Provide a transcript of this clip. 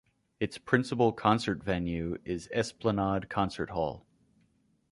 Its principal concert venue is the Esplanade Concert Hall.